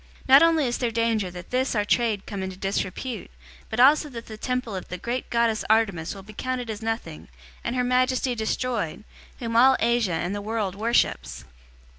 019:027 Not only is there danger that this our trade come into disrepute, but also that the temple of the great goddess Artemis will be counted as nothing, and her majesty destroyed, whom all Asia and the world worships."